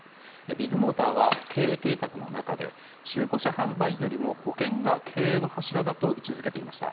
ビッグモーターは経営計画の中で中古車販売よりも保険が経営の柱だと位置づけていました。